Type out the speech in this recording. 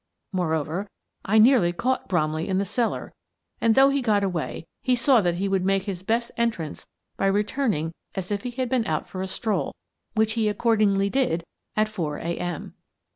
Moreover, I nearly caught Bromley in the cellar, and, though he got away, he saw that he would make his best entrance by returning as if he had been out for a stroll — which he accordingly did, at four a. m.